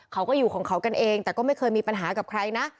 เขาก็อยู่ของเขากันเองแต่ก็ไม่เคยมีปัญหากับใครนะ